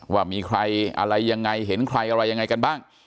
ว่ามีใครอะไรยังไงเห็นใครอะไรยังไงกันบ้าง